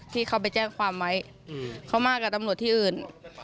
ที่เขาไปแจ้งความไว้เขามากับตำรวจที่อื่น